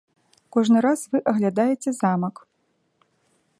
Кожны раз вы аглядаеце замак.